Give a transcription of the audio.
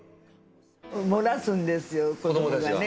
漏らすんですよ、子どもがね。